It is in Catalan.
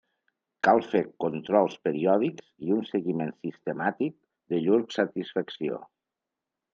Cal fer controls periòdics i un seguiment sistemàtic de llur satisfacció.